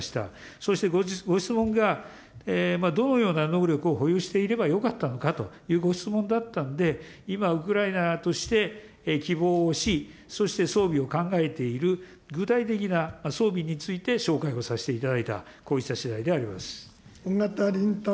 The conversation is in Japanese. そしてご質問が、どのような能力を保有していればよかったのかというご質問だったんで、今、ウクライナとして希望をし、そして装備を考えている、具体的な装備について紹介をさせていただいた、緒方林太郎君。